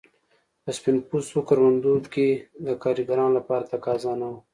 په سپین پوستو کروندو کې د کارګرانو لپاره تقاضا نه وه.